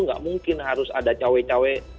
nggak mungkin harus ada cowok cowok